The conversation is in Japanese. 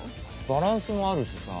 バランスもあるしさ。